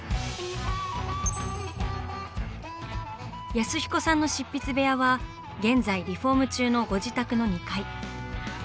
安彦さんの執筆部屋は現在リフォーム中のご自宅の２階。